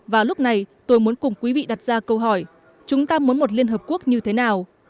và lúc này tôi muốn cùng quý vị đặt ra câu hỏi chúng ta muốn một liên hợp quốc như thế nào